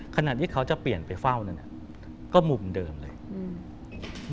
ขณะที่เขาจะเปลี่ยนไปเฝ้านั้นอ่ะก็มุมเดิมเลยอืม